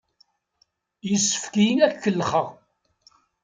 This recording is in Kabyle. Yessefk-iyi ad k-kellexeɣ!